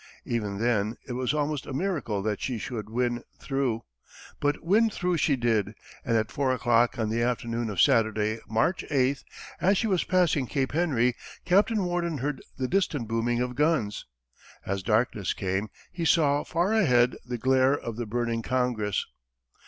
Even then, it was almost a miracle that she should win through, but win through she did, and at four o'clock on the afternoon of Saturday, March 8, as she was passing Cape Henry, Captain Worden heard the distant booming of guns. As darkness came, he saw far ahead the glare of the burning Congress.